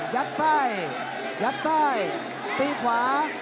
ยัดไส้ยัดไส้ตีขวา